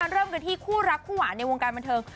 เริ่มกันที่คู่รักคู่หวานในวงการบันเทิง